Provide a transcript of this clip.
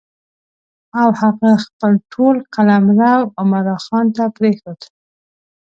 او هغه خپل ټول قلمرو عمرا خان ته پرېښود.